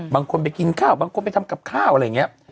บางคนไปกินข้าวบางคนไปทำกับข้าวอะไรอย่างนี้